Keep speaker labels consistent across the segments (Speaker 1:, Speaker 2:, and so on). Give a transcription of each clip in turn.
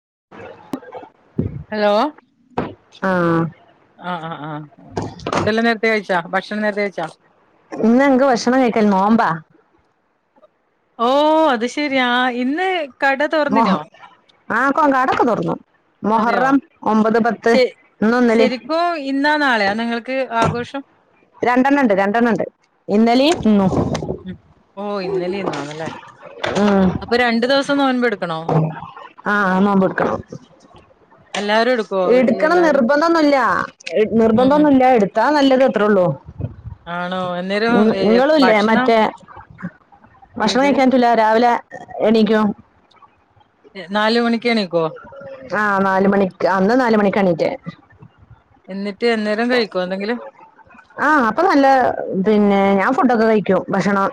Speaker 1: [inaudible]
Speaker 2: Hello
Speaker 1: ആഹ്
Speaker 2: ആ ആ ആ ഫുഡ് എല്ലാം നേരത്തെ കഴിച്ചു ഭക്ഷണം നേരത്തെ കഴിച്ചോ
Speaker 1: ഇന്ന് ഞങ്ങൾക്ക് ഭക്ഷണം കഴിക്കല് നോമ്പാ
Speaker 2: ഓ അത് ശരിയാ ഇന്ന് കട
Speaker 1: മോഹ
Speaker 2: തൊറന്നിനോ
Speaker 1: ആ കൊ കടക്ക് തോറന്നു
Speaker 2: അതെയോ ശ
Speaker 1: ഇന്നും ഇന്നലിം
Speaker 2: ശരിക്ക ഇന്നാ നാളെയാ നിങ്ങൾക്ക് ആഘോഷ ഷം
Speaker 1: രണ്ടെണ്ണം ഉണ്ട് രണ്ടെണ്ണം ഉണ്ട് ഇന്നലിന്ന ഇന്നും
Speaker 2: ഉ ഓ ഇന്നലെന്നാണല്ലേ
Speaker 1: ഉ ആ നോമ്പ് എടുക്കണം
Speaker 2: എല്ലാരും എടുക്കുവോ വീട്ടിലെ
Speaker 1: എടുക്കണം
Speaker 2: എല്ലാരും
Speaker 1: നിർബന്ധൊന്നുമല്ല
Speaker 2: ഉം ഉം
Speaker 1: നിർബന്ധൊന്നുമല്ല എടുത്താ നല്ലത്
Speaker 2: ആണോ അന്നേരം ഏ,
Speaker 1: നിങ്ങളല്ലേ
Speaker 2: ഭക്ഷണം
Speaker 1: മറ്റേ ഭക്ഷണം
Speaker 2: ഏത്
Speaker 1: കഴിക്കൻപറ്റില്ല രാവിലെ എണി ക്കും
Speaker 2: എ, നാല് മണിക്ക് എണീക്കോ
Speaker 1: ആ നാല മണിക്ക് ഇന്ന് നാല് മണിക്കാ എണീടറ്റേ
Speaker 2: എന്നിട്ട് എന്നേരം കഴിക്കോ എന്തെങ്കിലും
Speaker 1: ആ അപ്പൊ നല്ല പിന്നെ ഞാൻ ഫുഡൊക്കെ കഴിക്കും ഭക്ഷണം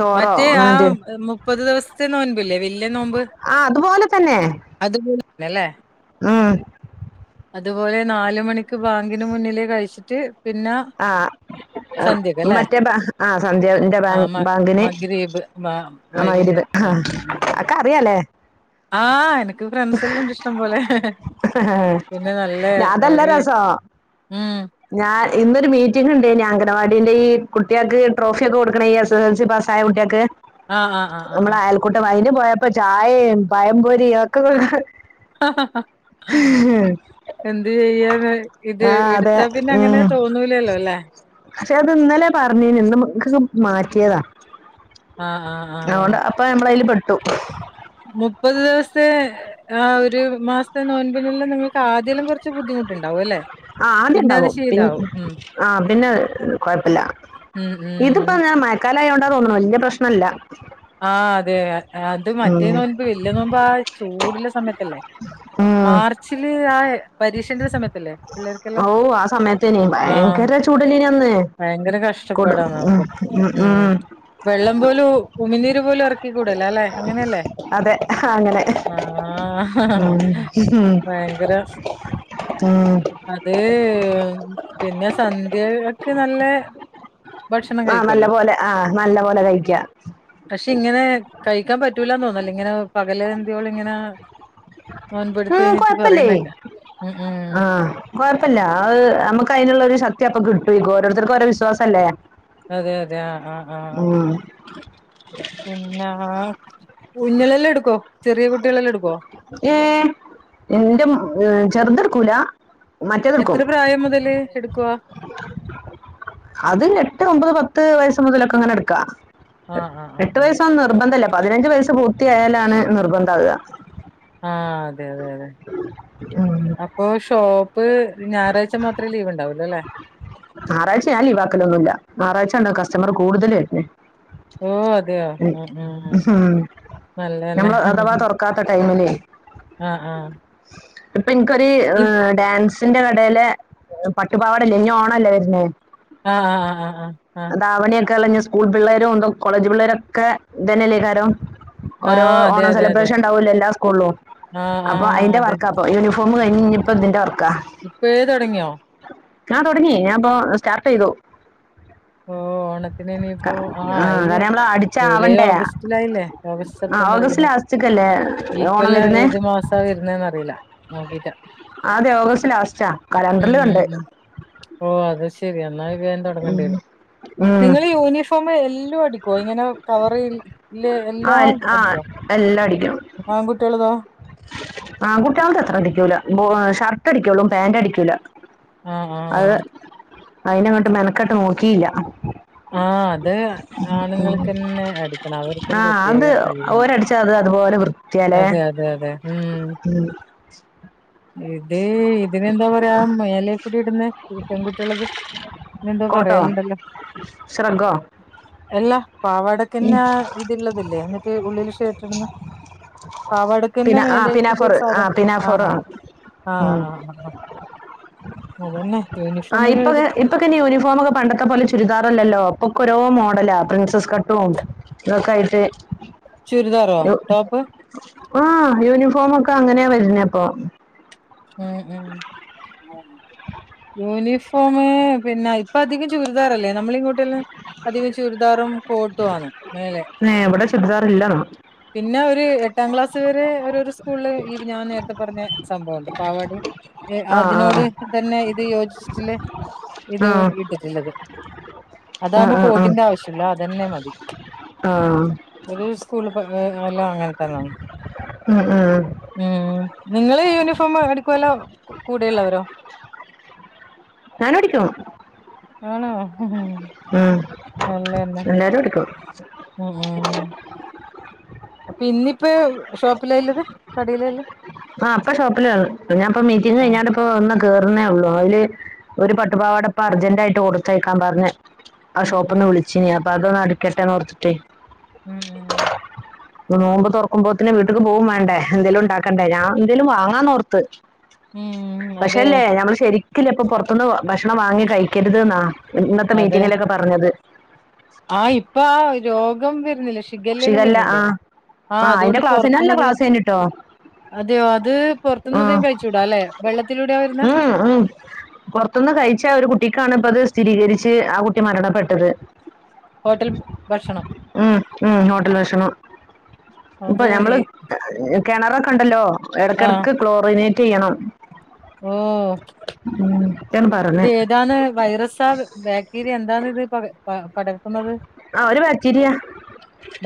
Speaker 1: ചോറോ
Speaker 2: മറ്റേ ആ
Speaker 1: അങ്ങനെ എന്തേലും
Speaker 2: മുപ്പത് ദിവസത്തെേന്നോൻപല്ലേ വല്
Speaker 1: അതുപോലെ തന്നെ
Speaker 2: അത്പോലന്നല്ലേ
Speaker 1: ഉം
Speaker 2: അതുപോലെ നാല് മണിക്ക് ബാങ്കിന് മുന്നിലേ കഴിച്ചിട്ട് പിന്നെ
Speaker 1: ആ
Speaker 2: സന്ധ്യക്കല്ലേ
Speaker 1: മറ്റേ ആ സന്ധ്യന്റെ
Speaker 2: ആ
Speaker 1: ബാങ്ക്
Speaker 2: മ
Speaker 1: ബാങ്കിന്
Speaker 2: മഗ്‌രിബ് ബാ
Speaker 1: ആ മഗരിബ്
Speaker 2: വൈകുന്നേരം
Speaker 1: ആ
Speaker 2: ഉം ഉം ഉം.
Speaker 1: ഒക്കെ അറിയല്ലേ
Speaker 2: ആ എനിക്ക് ഫ്രണ്ട്സ് എല്ലാംണ്ട് ഇഷ്ടം പോലെ പിന്നെ നല്ല
Speaker 1: അതല്ല
Speaker 2: അവര്
Speaker 1: രസം
Speaker 2: ഉം
Speaker 1: ഞാൻ ഇന്നൊരു മീറ്റിംഗ് ഉണ്ടയിനി അംഗനവാടിന്റെ ഈ കുട്ടികൾക്ക് ട്രോഫി ഒക്കെ കൊടുക്കണം ഈ S S L C pass ആയ കുട്ടിആള് ക്ക്
Speaker 2: ആ ആ ആ ആ ആ
Speaker 1: നമ്മളെ അയൽക്കൂട്ടം അന് പോയപ്പോ ചായയും പയംപൊരി ഒക്കെ
Speaker 2: എന്ത് ചെയ്യൻ ഇത്
Speaker 1: ആ അതെ
Speaker 2: എടുത്താ പിന്നെ അങ്ങനെ
Speaker 1: ഉം
Speaker 2: തോന്നൂലല്ലോ അല്ലേ
Speaker 1: പക്ഷെ അത് ഇന്നലെ പറഞ്ഞേന്നു ഇന്നക്ക് മാറ്റിയതാ
Speaker 2: ആ ആ ആ ആ.
Speaker 1: അതൊണ്ട് അപ്പൊ നമ്മളയില് പെട്ടു
Speaker 2: മുപ്പത് ദിവസത്തെ ആ ഒരു മാസത്തെ നോ മ്പ് [unintelligible] പിന്നെ നിങ്ങൾക്ക് ആദ്യല്ലാം കുറച്ച് ബുദ്ധിമുട്ടുണ്ടാവും അല്ലേ
Speaker 1: ആ ആദ്യം
Speaker 2: പിന്നെ അത്
Speaker 1: ഇണ്ടാവും പി
Speaker 2: ശീലാവും ഉം
Speaker 1: ആ പിന്നെ കൊയപ്പല്ല
Speaker 2: ഉം ഉം
Speaker 1: ഇതിപ്പോ ഞാൻ മയക്കാല ആയോണ്ടാ തോന്നുണു വല്ല്യേ പ്രശ്നംല്ല
Speaker 2: ആ അതെ ഇത് മറ്റേ
Speaker 1: ഉം
Speaker 2: നോല്മ്പ് വല്ല്യേ നോമ്പ് ആ ചൂട്ല്ലെ സമയത്തല്ലേ
Speaker 1: ഉം
Speaker 2: മാർച്ചില് ആ പരീക്ഷന്റെ സമയത്തല്ലേ
Speaker 1: ഓ
Speaker 2: പിള്ളേർക്കെല്ലാം?
Speaker 1: ആ സമയത്തേനു
Speaker 2: ആ
Speaker 1: ഭയങ്കര ചൂടല്ലേനു അന്ന്
Speaker 2: ഭയങ്കര
Speaker 1: കൊടും
Speaker 2: കഷ്ടപ്പാടാണ് അപ്പം.
Speaker 1: ഉം ഉം
Speaker 2: വെള്ളം പോലും ഉമിനീര് പോലും എറക്കി കൂടല്ലോ ലെ അങ്ങനെയല്ലേ
Speaker 1: അതെ അങ്ങനെ
Speaker 2: ആ
Speaker 1: ഉം ഉം
Speaker 2: ഭയങ്കരം
Speaker 1: ഉം
Speaker 2: അത് പിന്നെ സന്ധ്യക്ക് നല്ലെ
Speaker 1: ആ നല്ല പോലെ ആ നല്ല പോലെ കഴിക്ക.
Speaker 2: പക്ഷെ ഇങ്ങനെ കഴിക്കാൻ പറ്റൂല്ലാന്ന് തോന്നലില്ലേ ഇങ്ങനെ പകലന്തിയോളം ഇങ്ങനെ നോമ്പെട്ത്
Speaker 1: ഉം
Speaker 2: കഴിഞ്ഞിട്ട്
Speaker 1: കൊഴപ്പല്ലേ
Speaker 2: പറയുന്നേക്ക മ്
Speaker 1: ആ കൊയപ്പില്ല അത് നമ്മക്ക് അയ്നുള്ളൊരു ശക്തിഅപ്പം കിട്ടും [unintelligible] ഓരോരുത്തർക്ക് ഓരോ വിശ്വാസല്ലേ
Speaker 2: അതെ അതെ. ആ ആ ആ.
Speaker 1: മ്
Speaker 2: പിന്നെ കുഞ്ഞ്ങ്ങളെതെല്ലാം എടുക്കോ ചെറിയ കുട്ട്യേ
Speaker 1: ഏ എന്റെ മ ചെറുത് ഇട്കൂല
Speaker 2: എത്ര പ്രായം മുതല് എടുക്കുവ
Speaker 1: അത് എട്ട് ഒമ്പത് പത്ത് വയസ് മുതലൊക്കങ്ങനെ എടുക്കാ
Speaker 2: ആഹ് ആഹ്
Speaker 1: എട്ടു
Speaker 2: ആഹ് ആഹ്
Speaker 1: വയസൊന്നും നിർബന്ധല്ല പതിനഞ്ച് വയസ്സ് പൂർത്തിയായാലാണ് നിർബന്ധാവ
Speaker 2: ആ അതെ അതെ അതെ
Speaker 1: ഉം.
Speaker 2: അപ്പൊ ഷോ പ്പ് ഞായറാഴ്ച മാത്രേ ലീവ്ണ്ടാവൊള്ളൂ അല്ലേ
Speaker 1: ഞാറാഴ്ച ഞാൻ ലീവാക്കലൊന്നുല്ല ഞാറാഴ്ച ണ്ടാവും കസ്റ്റമറ് കൂടുതല് വര്ന്
Speaker 2: ഓ അതെയോ
Speaker 1: മ്
Speaker 2: ഉം
Speaker 1: ഉം
Speaker 2: നല്ലതന്നെ
Speaker 1: നമ്മള് അഥവാ തൊറക്കാത്ത ടൈമില്
Speaker 2: ആ ആ
Speaker 1: ഇപ്പൊ ഇൻക്കൊരു ഡാൻസിന്റെ കടേലെ പട്ടുപാവാടല്ലേ ഇഞ്ഞി ഓണല്ലേ വര്നേ
Speaker 2: ആ ആ ആ ആ ആ ആ
Speaker 1: ധാവണിയൊക്കെ ഇളഞ്ഞ് സ്കൂൾ പിള്ളേരും ന്താ കോളേജ് പിള്ളേരൊക്കെ ഇതന്നല്ലേ കാരം ഓരോ
Speaker 2: ആഹ് അതെ
Speaker 1: ഓണം
Speaker 2: അതെ അതെ
Speaker 1: സെലിബ്രേഷൻ ഉണ്ടാവോല്ലോ എല്ലാ സ്കൂളിലും
Speaker 2: ആഹ്
Speaker 1: അപ്പൊ
Speaker 2: ആഹ്
Speaker 1: അയ്ന്റെ
Speaker 2: അതെ
Speaker 1: വർക്കാപ്പൊ യൂണി ഫോമ് കഴിഞ്ഞ് ഇഞ്ഞിപ്പോ ഇതിന്റെ വർക്ക
Speaker 2: ഇപ്പയെ തൊടങ്ങിയോ
Speaker 1: ഞാൻ തൊടങ്ങി ഞാൻപ്പ സ്റ്റാർട്ടെയ്തു.
Speaker 2: ഓ ഓണത്തിന് ഇനിയിപ്പോ ആ ആയില്ലേ
Speaker 1: കാരണം നമ്മള് അടിച്ച
Speaker 2: ജൂലൈ
Speaker 1: ആവണ്ടേ
Speaker 2: ഓഗസ്റ്റിലായില്ലേ ഓഗസ്റ്റ്
Speaker 1: ആ
Speaker 2: സെപ്റ്റംബർ
Speaker 1: ഓഗസ്റ്റ്
Speaker 2: യ്യുന്ന
Speaker 1: ലാസ്റ്റ്ക്കല്ലേ
Speaker 2: ഈ
Speaker 1: ഓണം
Speaker 2: കൊല്ലം
Speaker 1: വരുന്നേ
Speaker 2: ഏത് മാസാ വര്ന് ന്നറീല.
Speaker 1: അതെ ഓഗസ്റ്റ് ലാസ്റ്റാ
Speaker 2: ഉം
Speaker 1: കലണ്ട്രല്
Speaker 2: ഉം
Speaker 1: കണ്ടേ
Speaker 2: ഉം ഓ അത് ശെരി എന്നാ ഇത് വേം തൊടങ്ങണ്ടേരിം
Speaker 1: ഉം
Speaker 2: നിങ്ങള് യൂനിഫോം എല്ല ല്ലോ അടിക്കോ ഇങ്ങനെ കവറ്ല്ലെ
Speaker 1: ആ
Speaker 2: എല്ലാം
Speaker 1: ആ
Speaker 2: അടിക്കോ ആൺകുട്ട്യേളതോ
Speaker 1: ആൺകുട്ട്യേളത് അത്ര അടിക്കൂല ഷർട്ട് അടിക്കലും പാന്റ് അടിക്കൂല
Speaker 2: ആ ആ
Speaker 1: അയ്നങ്ങട്ട് മെനക്കട്ട് നോക്കിയില്ല
Speaker 2: ആ അത് ആണുങ്ങൾക്കന്നെ അടിക്കണം
Speaker 1: ആ
Speaker 2: അവർക്കൊരു പ്രത്യേക
Speaker 1: അത്
Speaker 2: കഴിവാണ്.
Speaker 1: ഓരടിച്ച അത് അതുപോലെ വൃത്തിയാലെ
Speaker 2: അതെ അതെ അതെ ഉം ഇത് ഇതിനെന്താ പറയാ മേലെക്കൂടി ഇടുന്ന പെൺകുട്ട്യേളത് നെന്തോ
Speaker 1: കോട്ടോ
Speaker 2: പറേല്ണ്ടല്ലോ
Speaker 1: ശ്രഗോ
Speaker 2: എല്ലാ ന്നെആണ് ഇത്ള്ളതില്ലേ എന്നിട്ട് ഉള്ളിൽ ഷട്ടിന്ന് പാവാടക്കന്നെ
Speaker 1: പിന്നെ ആ
Speaker 2: മേലേക്ക്
Speaker 1: പിനാഫോർ
Speaker 2: ഒരു സാധനം ആ
Speaker 1: പിനാഫോർ
Speaker 2: ആ
Speaker 1: ഉം
Speaker 2: ആ ആ ആ
Speaker 1: ആ ഇപ്പൊ
Speaker 2: ഒരു പ്ര
Speaker 1: ഇപ്പൊക്കെഅയിന് യൂണിഫോമ് ഒക്കെ പണ്ടത്തെ പോലെ ചുരിദാറല്ലല്ലോ അപ്പൊ ഓരോ മോഡലാ പ്രിൻസസ് കട്ടും ഇതൊക്കെ ആയിട്ട്.
Speaker 2: ചുരിദാറോ
Speaker 1: യു
Speaker 2: ടോപ്പ്
Speaker 1: ആ യൂണിഫോ ഫോമ് ഒക്കെ അങ്ങനെയ വരുന്നെ ഇപ്പൊ.
Speaker 2: ഉം ഉം. [unintelligible] യൂണിഫോമ് പിന്നെ ഇപ്പ അധികം ചുരിദാറല്ലേ. നമ്മളിങ്ങോട്ടെല്ലാം അധികം ചുരിദാറും കോട്ടു ആണ് മേലെ.
Speaker 1: ചുരിദാറില്ല ന
Speaker 2: പിന്നെ ഒരു എട്ടാം ക്ലാസ് വരെ ഓരോരെ സ്കൂളില് ഈ ഞാൻ നേരത്തെ പറഞ്ഞ സംഭവംണ്ട് പാവാടിം ഏ
Speaker 1: ആ ആ
Speaker 2: അതിനോട് തന്നെ ഇത് യോജിച്ചിട്ടിള്ളെ ഇത്
Speaker 1: ആ
Speaker 2: ഇട്ടിട്ടുള്ളത്.
Speaker 1: ആ
Speaker 2: അതാകുമ്പോ
Speaker 1: ആ ആ
Speaker 2: കോട്ടിന്റെ ആവശ്യല്ല അതന്നെ മതി.
Speaker 1: ആ.
Speaker 2: പ എല്ലാം അങ്ങനെ തന്നെയ.
Speaker 1: ഉം ഉം
Speaker 2: ഉം നിങ്ങള് യൂണിഫോം അടിക്കല്ലോ കൂടെയുള്ളവരോ.
Speaker 1: ഞാനും അടിക്കും.
Speaker 2: ആണോ.
Speaker 1: ഉം എല്ലാരും അടിക്കും.
Speaker 2: അ ആ. അപ്പൊ ഇന്നിപ്പോ ഷോപ്പിലാള്ളത് കടേലല്ല.
Speaker 1: അ ഇപ്പൊ ഷോപ്പിലാള്ളെ ഞാൻപ്പൊ മീറ്റിംഗ്
Speaker 2: ആഹ്
Speaker 1: കഴിഞ്ഞാണ്ട് ഇപ്പൊ ഒന്ന് കേറുന്നേ ഉള്ളൂ. അയില് ഒരു പട്ടുപാവാട ഇപ്പൊ അർജന്റ് ആയിട്ട് കൊടുത്തയ ക്കാൻ പറഞ്ഞ്. ആ
Speaker 2: ഉം ഉം
Speaker 1: ഷോപ്പ്ന്ന് വിളിച്ചീന് അപ്പൊ അതൊന്ന് അടിക്കട്ടെന്നോർത്തിട്ടേ
Speaker 2: ഉം ഉ.
Speaker 1: നോമ്പ് തുറക്കുമ്പോത്തിന് വീട്ടിക്ക് പോകും വേണ്ടേ എന്തേലും ഉണ്ടാക്കണ്ടേ ഞാൻ എന്തേലും വാങ്ങാന്ന്ഓർത്ത്.
Speaker 2: ഉം ഉം അതെ
Speaker 1: പക്ഷെല്ലേ ഞമ്മള് ശരിക്കില്ലെ ഇപ്പൊ പൊറത്ത്ന്ന് വാ ഭക്ഷണം വാങ്ങി കഴിക്കരുത് ന്നാ. ഇന്നത്തെ മീറ്റിങ്ങിലൊക്കെ പറഞ്ഞത്.
Speaker 2: ആ ഇപ്പ ആ രോഗം വരുന്നില്ല. ഷി ഷിഗല്ലെല്ലാം
Speaker 1: ശിഖല്ല ആ
Speaker 2: വരുന്നില്ലേ ആ
Speaker 1: അതിന്റെ
Speaker 2: അതുകൊണ്ട്
Speaker 1: ക്ലാസ് നല്ല
Speaker 2: പൊറത്തുന്ന് അധിക
Speaker 1: ക്ലാസ് കഴിഞ്ഞിട്ടോ
Speaker 2: അതെയോ അത്
Speaker 1: ആ
Speaker 2: പൊറത്തുന്ന് അതികം കഴിച്ചൂടാ അല്ലെ വെള്ളത്തിലൂടെയാ വരുന്നെ.
Speaker 1: ഉം ഉം പുറത്തുന്ന് കഴിച്ച ഒരു കുട്ടിക്കാണ് ഇപ്പ അത് സ്ഥിരീകരിച്ച് ആ കുട്ടി മരണപ്പെട്ടത്.
Speaker 2: ഹോട്ടൽ ഭ ഭക്ഷണം.
Speaker 1: ഉം ഉം ഹോട്ടൽ ഭക്ഷണം ഇപ്പൊ
Speaker 2: അത്
Speaker 1: ഞമ്മള് കിണറൊക്കെ ഉണ്ടല്ലോ
Speaker 2: ആഹ്
Speaker 1: ഇടക്കിടക്ക് ക്ലോറിനേറ്റ് ചെയ്യണം.
Speaker 2: ഓ.
Speaker 1: ഒക്കെയാണ്
Speaker 2: ഇത്
Speaker 1: പറഞ്ഞ്
Speaker 2: ഏതാണ് വൈറസ ബാക്ടീരിയ എന്താണ് ഇത് പ പട
Speaker 1: ആ ഒരു ബാക്റ്റീരിയ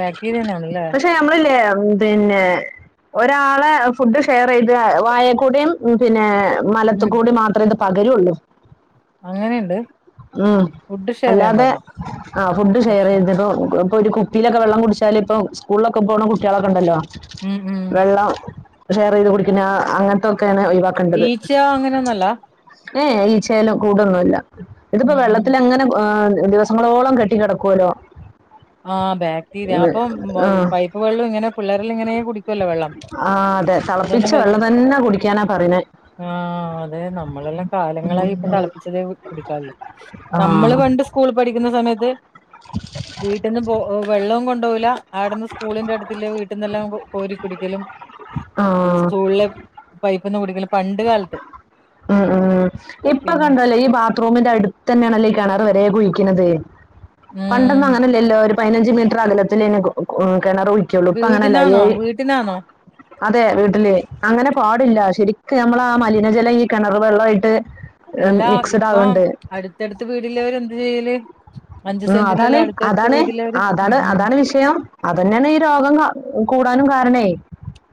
Speaker 2: ബാക്ടീരിയനാണല്ലേ
Speaker 1: പക്ഷെ ഞമ്മളില്ലേ ഉപിന്നെ ഒരാളെ ഫുഡ് ഷെയർ ചെയ്ത് വായെൽ കുടിം പിന്നെ മലത്തു
Speaker 2: ഉം
Speaker 1: കുടി മാത്രേ ഇത് പകരുള്ളൂ.
Speaker 2: അങ്ങനെയുണ്ട്
Speaker 1: [inaudible] ഉം
Speaker 2: ഫുഡ് ഷെയർ ചെയ്യാൻ
Speaker 1: അല്ലാതെ
Speaker 2: പാടില്ല
Speaker 1: ആ ഫുഡ് ഷെയർ
Speaker 2: ഭക്ഷണം
Speaker 1: ചെയ്ത് ഇപ്പൊ ഇപ്പൊ ഒരു കുപ്പിയിലൊക്കെ വെള്ളം കുടിച്ചാല് ഇപ്പോ സ്കൂളിലൊക്കെ പോണ കുട്ട്യാ ളൊക്കെ ഉണ്ടല്ലോ
Speaker 2: ഉം ഉം
Speaker 1: വെള്ളം ഷെയർ ചെയ്ത് കുടിക്കുന്ന അങ്ങനത്തൊക്കെ ഒക്കെയാണ് ഒഴിവാക്കേണ്ടത്
Speaker 2: ഈച്ച അങ്ങനെയൊന്നല്ല
Speaker 1: ഏ ഈച്ചയിലും കൂടൊന്നുംല്ല ഇതിപ്പോ
Speaker 2: ഉം ഉം
Speaker 1: വെള്ളത്തില്അങ്ങനെ എ ദിവസങ്ങളോളം കെ ട്ടി കിടകോല്ലോ.
Speaker 2: ആ ബാക്ടീരിയ അപ്പം
Speaker 1: ആ
Speaker 2: പൈപ്പ് വെള്ളം ഇങ്ങനെ പിള്ളേരെല്ലാം ഇങ്ങനെ കുടിക്കുവല്ലോ വെള്ളം.
Speaker 1: ആ അതെ തളപ്പിച്ച വെള്ളം തന്നെ കുടിക്കാനാ പറണെ.
Speaker 2: ആ അതെ നമ്മളെല്ലാം കാലങ്ങളായി ഇപ്പം തളപ്പിച്ചതേ കുടിക്കാല്ലോ
Speaker 1: ആ
Speaker 2: നമ്മള് പണ്ട് സ് സ്കൂൾ പഠിക്കുന്ന സമയത്ത്
Speaker 1: [inaudible]
Speaker 2: വീട്ടിന്ന് പോ വെള്ളവും കൊണ്ടുപോകില്ല അവിടെന്ന് സ്കൂളിന്റെ അടുത്തില്ല വീട്ടിൽന്നെല്ലാം കോരി കുടിക്കലും
Speaker 1: ആ
Speaker 2: സ്കൂളെ പൈപ്പ് ഒന്നും കുടിക്കല് പണ്ട് കാലത്ത്
Speaker 1: അ ആ ഇപ്പൊ
Speaker 2: പിന്നെ
Speaker 1: കണ്ടല്ലോ ഈ ബാത്റൂമിന്റെ അടുത്ത് തന്നെയാണല്ലേ കട വര കുഴിക്കണന്നത് പണ്ടൊ ന്ന്
Speaker 2: ഉം
Speaker 1: അങ്ങനല്ലല്ലോഒരു പതിനഞ്ച് മീറ്റർ അകലത്തിലല്ലേ കിണറുകുഴിക്കുള്ളൂ ഇപ്പൊ അങ്ങനെല്ലഎ
Speaker 2: വീടിനാന്നോ വീട്ടിനാന്നോ
Speaker 1: ഒക്കെ ആ നമ്മള ആ മലിനജലം ഈ കിണർ വെള്ളമായിട്ട്
Speaker 2: എല്ലാ
Speaker 1: മിക്സഡ്
Speaker 2: ഇപ്പം
Speaker 1: ആകുന്നുണ്ട്
Speaker 2: അടുത്തടുത്ത് വീടള്ളവര് എന്ത് ചെയ്യല് അഞ്ച്
Speaker 1: ആ അതാണ്
Speaker 2: സെന്റിലെല്ലാം അടുത്തടുത്ത്
Speaker 1: അതാണ്
Speaker 2: വീടില്ലവര് ഉം
Speaker 1: അതാണ്
Speaker 2: ഉം
Speaker 1: അതാണ് വിഷയം അവര്ന്നെയാണ് ഈ രോഗം കൂ കാനും കാരണേ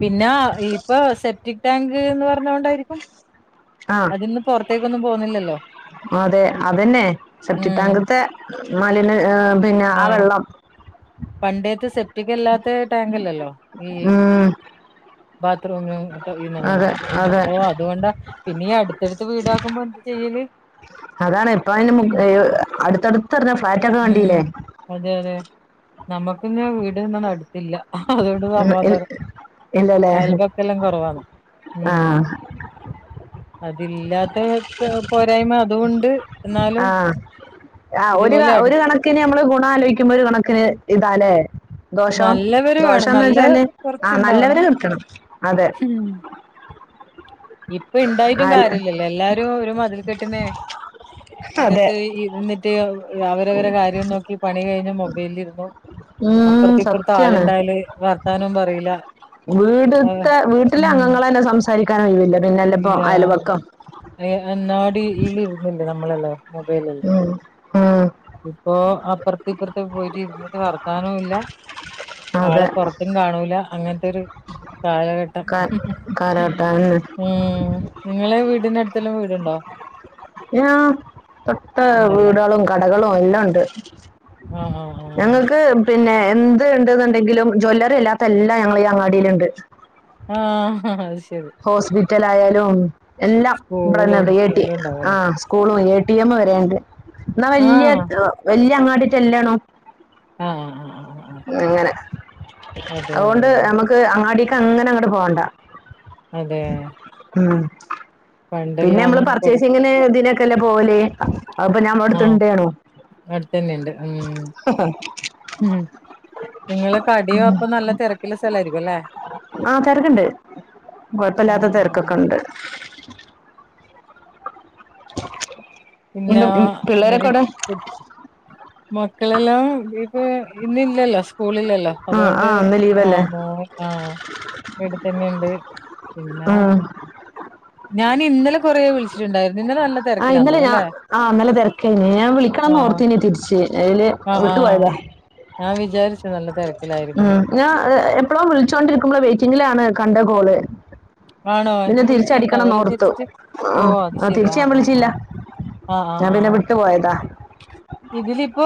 Speaker 2: പിന്നെ ഇപ്പൊ സെപ്റ്റിക് ടാങ്ക് എന്ന് പറ പറഞ്ഞൊണ്ടരിക്കും
Speaker 1: ആ
Speaker 2: അതിന്ന് പുറത്തേക്കൊന്നും പോവുന്നില്ലല്ലോ
Speaker 1: അതെ അതന്നെ സെപ്റ്റിക്
Speaker 2: ഉം
Speaker 1: ടാങ്കുതെ മാലിന്യ- ആ പിന്നെ ആ
Speaker 2: ആഹ്
Speaker 1: വെള്ളം
Speaker 2: പണ്ടേത്തെ സെപ്റ്റിക്കല്ലാത്ത ടാങ്ക്ല്ല ല്ലോ ഈ
Speaker 1: ഉം
Speaker 2: ബാത്റൂമിനു ന്ന
Speaker 1: അതെ അതെ
Speaker 2: അപ്പൊ അതുകൊണ്ട പിന്നെ അടുത്തടുത്ത് വീടാക്കുമ്പോ എന്ത്തു ചെയ്യല്
Speaker 1: അതാണ് ഇപ്പ അതിന് അടുത്തടുത്ത്റിഞ്ഞ ഫ്ലാറ്റ ഒക്കെ ക ണ്ടില്ലേ
Speaker 2: ഉം അതെ അതെ നമ്മക്കിന്നാ വീട്ന്നന്ന അടുത്തില്ല അതുകൊണ്ട്
Speaker 1: ഉം ഇൽ
Speaker 2: സമാധാനം
Speaker 1: ഇല്ലല്ലേ
Speaker 2: അയൽബക്ക എല്ലാം കുറവാണ് ഉം
Speaker 1: ആഹ്
Speaker 2: അതില്ലാത്ത പോരായ്മ അതുഉണ്ട്
Speaker 1: ആ ആ
Speaker 2: അടു
Speaker 1: ഒരു കണക്കിന് നമ്മള് ആലോചിക്കുമ്പോ ഒരു കണക്കിന് ഇതാല്ലേ ദോഷോ
Speaker 2: നല്ലവര് വേണം
Speaker 1: ദോഷംന്ന്
Speaker 2: നല്ല
Speaker 1: വെച്ചാല് ആ നല്ലവര്
Speaker 2: കൊറച്ചുണ്ടാവണം
Speaker 1: നിൽക്കണം അതെ
Speaker 2: ഉം ഇപ്പൊ ഇണ്ടായിട്ടും
Speaker 1: അൽ
Speaker 2: കാര്യല്ലല്ലോ എല്ലാരും ഒരു മതിൽ കെട്ടുന്നേ
Speaker 1: അതെ
Speaker 2: അകത്ത് ഇരുന്നിട്ട് അവരവരു കാര്യം നോക്കി പണി കഴിഞ്ഞ മൊബൈലിൽ ഇരിക്കും
Speaker 1: ഉം
Speaker 2: അപ്പുറത്തി ഇപ്പറത്തെ
Speaker 1: സത്യാണ്
Speaker 2: ആളുണ്ടായല് വർത്താനവും പറയില്ല ആഹ്
Speaker 1: വീടുത്തെ വീട്ടിലെ
Speaker 2: ഉം
Speaker 1: അംഗങ്ങളന്നെ സംസ സൽക്കരിക്കാന് ഓഴിവ് ല്ല പിന്നെല്ലപ്പോ
Speaker 2: ഇല്ല
Speaker 1: അയലവക്കം
Speaker 2: നമ്മളല്ലേ മൊബൈയ്ല്
Speaker 1: ആ
Speaker 2: ഇപ്പോ അപ്പുറത്തെ ഇപ്പുറത്തെ പോയിട്ട് ഇരുന്നിട്ട് വർത്താനവും ഇല്ല
Speaker 1: അതെ
Speaker 2: ആളെ പൊ റത്തും കാണൂല അങ്ങനത്തൊ രു കാലഘട്ടം
Speaker 1: കാ കാലഘട്ടം
Speaker 2: ഉം നിങ്ങള് വീടിന്റെ അടുത്തല്ലും വീടുണ്ടോ
Speaker 1: ആ തൊട്ട
Speaker 2: ഉണ്ടല്ലേ
Speaker 1: വീടുകളും കടകളും എല്ലാം ഉണ്ട്
Speaker 2: ആഹ് ആഹ്
Speaker 1: ഞങ്ങൾക്ക് പിന്നെ എന്ത് ഉണ്ട്ന്നുണ്ടെങ്കിലും ജ്വല്ലറി ഇല്ലാത്ത എല്ലാം ഞങ്ങള ഈ അങ്ങാടിൽ ഉണ്ട്
Speaker 2: ആ ആ അയ്
Speaker 1: ഹോസ്പിറ്റൽ ആയാലും എല്ലാം ഇവിടന്നെ
Speaker 2: പൂളും
Speaker 1: ഉണ്ട് എ റ്റി
Speaker 2: എല്ലാം
Speaker 1: ആ
Speaker 2: ഉണ്ടാവുംല്ലേ
Speaker 1: സ്കൂളും എ എമ്മ വരണ്ട് എന്നാൽ വല്യ
Speaker 2: ആഹ്
Speaker 1: വല്യ അങ്ങാടിട്ട അല്ലാണോ
Speaker 2: ആ ആ
Speaker 1: അങ്ങനെ
Speaker 2: അതെ
Speaker 1: അതുകൊണ്ട് നമുക്ക് അങ്ങാടിക്ക് അങ്ങനെ അങ്ങോട്ട് പോവണ്ട
Speaker 2: അതെ ആ
Speaker 1: പിന്നെ നമ്മള്
Speaker 2: കൊറേ
Speaker 1: പർച്ചേസിങ്ങിന് ഇതിനൊക്കെല്ലേ പോവല് അ അപ്പൊ ഞാൻ അവിടുത്തെ
Speaker 2: ആഹ്
Speaker 1: ഇണ്ടയ് നും
Speaker 2: അടുത്തന്നെണ്ട് ഉം ഉം നിങ്ങള് കടിയോ അപ്പ നല്ല തിരക്കുള്ള സ്ഥലയിരിക്കും അല്ലെ
Speaker 1: കുഴപ്പില്ലാത്ത തിരക്കൊക്കെണ്ട്
Speaker 2: പിന്നെ
Speaker 1: എന്താ
Speaker 2: ആ
Speaker 1: ഉം,
Speaker 2: ഏത്
Speaker 1: പിള്ളേരൊക്കെ അവിടെ
Speaker 2: മക്കളെല്ലാം ഇന്നില്ലല്ലോ സ് സ്കൂളില്ലല്ലോ.
Speaker 1: ആ
Speaker 2: അതുകൊണ്ട്
Speaker 1: ആ ഇന്ന് ലീവല്ലേ
Speaker 2: വമോ ആ ഇവിടെ തന്നെയുണ്ട്. പിന്നാ
Speaker 1: ഉം
Speaker 2: ഞാൻ ഇന്നലെ കുറേ വിളിച്ചിട്ടുണ്ടായിരുന്നു. ഇന്നലെ നല്ല
Speaker 1: ആ
Speaker 2: തിരക്കിലാന്ന്
Speaker 1: ഇന്നലെ ഞാ
Speaker 2: തോന്നുന്നല്ലേ
Speaker 1: ആ ഇന്നലെ തിരക്കായിനെ. ഞാൻ വിളിക്കണം എന്ന്
Speaker 2: ആഹ്
Speaker 1: ഓർത്തിനേ തിരിച്ച് അതില്
Speaker 2: ആഹ്
Speaker 1: വിട്ടു
Speaker 2: ആഹ്
Speaker 1: പോയതാ.
Speaker 2: ഞാൻ വിചാരിച്ചു നല്ല തിര
Speaker 1: ഉം. ഞാൻ എപ്പോഴോ വിളിച്ചോണ്ടിരിക്കുമ്പളാ വെയിറ്റിങ്ങിലാണ് കണ്ടേ കോള്.
Speaker 2: ആണോ?
Speaker 1: പിന്നെ
Speaker 2: വിളിച്ചിട്ടുണ്ടാവല്ലേ
Speaker 1: തിരിച്ചടിക്കണംന്നോർത്തു
Speaker 2: തിരിച്ചിട്ട്? ഓ
Speaker 1: ആഹ്
Speaker 2: അത്
Speaker 1: ആഹ്
Speaker 2: ശെരി
Speaker 1: തിരിച്ച്
Speaker 2: ആ
Speaker 1: ഞാൻ
Speaker 2: ആ ആ
Speaker 1: വിളിച്ചില്ല
Speaker 2: ആ ആ
Speaker 1: ഞാൻ
Speaker 2: ആ
Speaker 1: പിന്നെ വിട്ടു പോയതാ
Speaker 2: ഇതിലിപ്പോ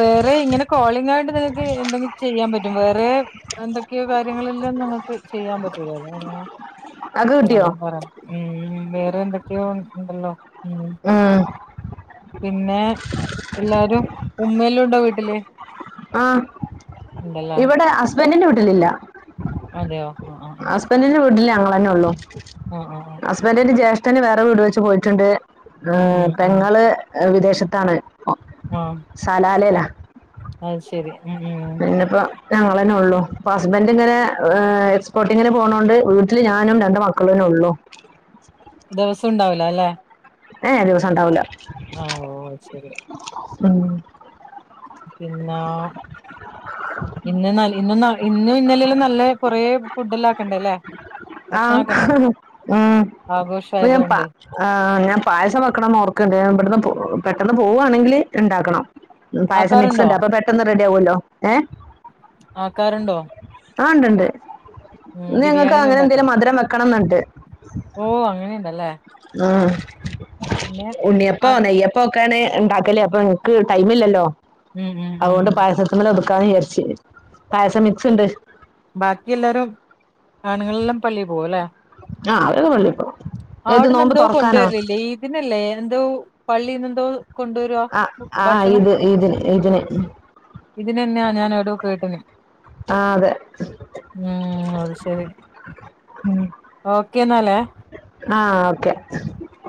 Speaker 2: വേറെ ഇങ്ങനെ കോള ഞാനു ആയിട്ട് നിങ്ങൾക്ക് എന്തെങ്കിലും ചെയ്യാൻ പറ്റും. വേറെ എന്തൊക്കെയോ കാര്യങ്ങളെല്ലാം നിങ്ങൾക്ക് ചെയ്യാൻ പറ്റൂല്ലല്ലോ?
Speaker 1: ഇങ്ങക്ക് കിട്ടിയോ
Speaker 2: ഉം. വേറെ എന്തൊക്കെയോ ഉണ്ടല്ലോ?
Speaker 1: ഉം.
Speaker 2: പിന്നെ എല്ലാരും ഉമ്മ എല്ലാ ഉണ്ടോ വീട്ടില്?
Speaker 1: ആ
Speaker 2: ഉണ്ടല്ലേ
Speaker 1: ഇവിടെ ഹസ്ബന്റിന്റെ വീട്ടിലില്ല.
Speaker 2: അതെയോ? ആ ആ
Speaker 1: ഹസ്ബന്റിന്റെ വീട്ടില് ഞങ്ങ തന്നെ ഉള്ളൂ.
Speaker 2: ആ ആ ആ
Speaker 1: ഹസ്ബന്റിന്റെ ജേഷ തന്നെ വേറെ വീട് വെച്ച് പോയിട്ടുണ്ട്.
Speaker 2: ഉം ഉം ഉം
Speaker 1: പെങ്ങള് വിദേശത്താണ്.
Speaker 2: ആ
Speaker 1: സലാലേലാ.
Speaker 2: അത് ശരി ഉം.
Speaker 1: ഞങ്ങളന്നെ ഉള്ളൂ. ഇപ്പ ഹസ്ബന്റ് ഇങ്ങെ എക്സ്പോർട്ടിങ്ങിനു പോകണോണ്ട് വീട്ടില് ഞാനും രണ്ട് മക്കളും ഉള്ളോ?
Speaker 2: ദിവസം ഉണ്ടാവല്ലോ അല്ലേ?
Speaker 1: ഏ ദിവസം ഉണ്ടാവില്ല.
Speaker 2: ആ ഓ ശരി.
Speaker 1: ഉം
Speaker 2: പിന്നോ? ഇന്ന് ന ഇന്നും ഇന്നലെല്ലും നല്ല കൊറെ ഫുഡ് എല്ലാം ആക്കണ്ടല്ലേ?
Speaker 1: ആ ആ അപ്പൊ ഞാൻ പ
Speaker 2: ആഘോഷായതുകൊണ്ട്
Speaker 1: ഞാൻ പായസം വെക്കണോന്ന് ഓർക്കണ്ട്. ഇവിടുന്ന് പോ പെ പെട്ടന്ന് പോവുവാണെങ്കില് ഉണ്ടാക്കണം. പായസം മിക്സ്
Speaker 2: ആക്കാറുണ്ടോ
Speaker 1: ഉണ്ട്. അപ്പൊ പെട്ടന്ന് റെഡി ആകുവല്ലോ. ഏ?
Speaker 2: ആക്കാറുണ്ടോ
Speaker 1: ആ ഉണ്ടുണ്ട്.
Speaker 2: ഉം ബിരിയാണിയല്ലേ ഇണ്ടാക്കോ?
Speaker 1: മധുരം വെക്കണം എന്നുണ്ട്.
Speaker 2: അങ്ങനെയുണ്ടല്ലേ
Speaker 1: ഉം.
Speaker 2: പിന്നെ ആ
Speaker 1: ഉണ്ണിയപ്പവോ നെയ്യപ്പവോ ഒക്കൊണ് ഉണ്ടാക്കല് അപ്പൊ നിങ്ങക്ക് ടൈമില്ലല്ലോ?
Speaker 2: ഉം ഉം
Speaker 1: അതുകൊണ്ട്
Speaker 2: ഉം
Speaker 1: പായസത്തി മേല് ഒതുക്കാന്ന് വിചാരിച്ച്. പായസം മിക്സ് ഉണ്ട്.
Speaker 2: ബാക്കി എല്ലാരും ആണുങ്ങളെല്ലാം പള്ളി പോവും അല്ലേ?
Speaker 1: ആ അവരൊക്കെ പള്ളിപ്പോ ഇത്
Speaker 2: അവിടന്ന്
Speaker 1: നോമ്പ്
Speaker 2: എന്തോ
Speaker 1: തുറക്കാനോ
Speaker 2: കൊണ്ടുവരലില്ലേ? ഇതിനല്ലേ എന്തോ പള്ളിന്ന് എന്തോ കൊണ്ടുവരുവാ
Speaker 1: ആ ആ ഇത് ഇതിനു ഇതിനു
Speaker 2: ഇതിനു തന്നെയാ ഞാൻ എവിടോ കേട്ടന്.
Speaker 1: ആ അതെ.
Speaker 2: ഉം. അത് ശരി. ഓക്കേ എന്നാലേ?
Speaker 1: ആ ഓക്കെ